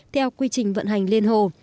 theo quy trình vận hành liên hồ